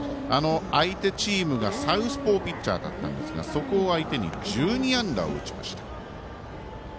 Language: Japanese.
相手チームがサウスポーピッチャーだったんですがそこを相手に１２安打を打ちました。